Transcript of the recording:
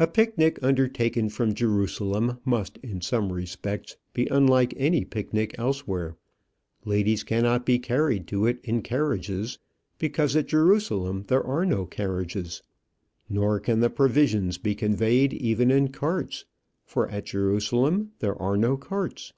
A picnic undertaken from Jerusalem must in some respects be unlike any picnic elsewhere. Ladies cannot be carried to it in carriages, because at Jerusalem there are no carriages; nor can the provisions be conveyed even in carts, for at Jerusalem there are no carts.